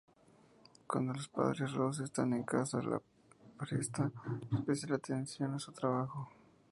Cuando los padres Ross están en casa le presta especial atención a su trabajo.